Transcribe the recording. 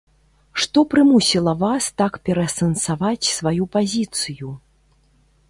Што прымусіла вас так пераасэнсаваць сваю пазіцыю?